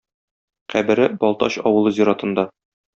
Кабере Балтач авылы зиратында.